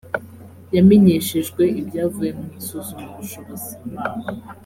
yamenyeshejwe ibyavuye mu isuzumabushobozi